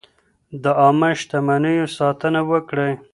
د عامه شتمنیو ساتنه وکړئ.